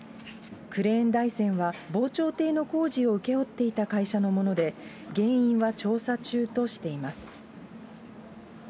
クレーン台船は防潮堤の工事を請け負っていた会社のもので、原因は調査中としています。